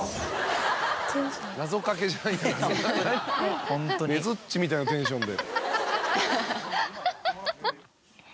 謎かけじゃないんだからねづっちみたいなテンションで。